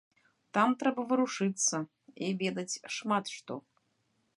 Там трэба варушыцца і ведаць шмат што.